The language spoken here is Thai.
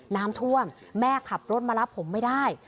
น้ำท่วมแม่ขับรถมารับผมไม่ได้